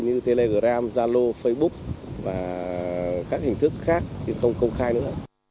như telegram zalo facebook và các hình thức khác thì không công khai nữa